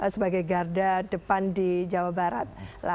sebagai garda depan di jawa barat